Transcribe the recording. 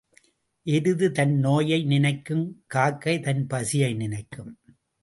எருது தன் நோயை நினைக்கும் காக்கை தன் பசியை நினைக்கும்.